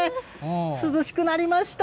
涼しくなりました。